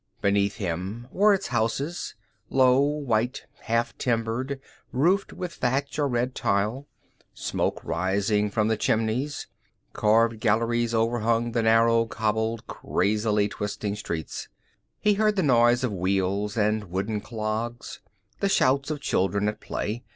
Behind him were its houses low, white, half timbered, roofed with thatch or red tile, smoke rising from the chimneys; carved galleries overhung the narrow, cobbled, crazily twisting streets; he heard the noise of wheels and wooden clogs, the shouts of children at play.